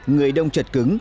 người đông chật cứng